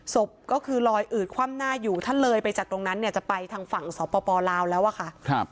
ศพก็คือลอยอืดคว่ำหน้าอยู่ถ้าเลยไปจากตรงนั้นเนี่ยจะไปทางฝั่งสปลาวแล้วอะค่ะ